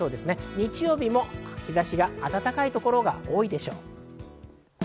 日曜日も日差しが暖かいところが多いでしょう。